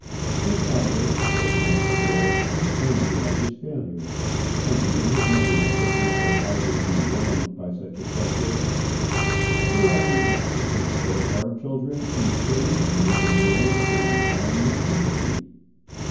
His father, so thinks the boy, is angry at his failure; and even his mother's kisses will hardly be warmed by such a subject. We are too apt to think that if our children eat pudding and make a noise they require no sympathy.